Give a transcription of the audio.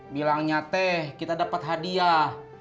bilangnya teh kita dapat hadiah